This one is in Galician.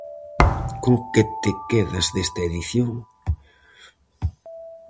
Con que te quedas desta edición?